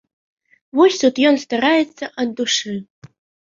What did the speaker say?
Вось тут ён стараецца ад душы.